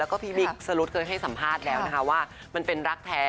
แล้วก็พี่บิ๊กสรุธเคยให้สัมภาษณ์แล้วนะคะว่ามันเป็นรักแท้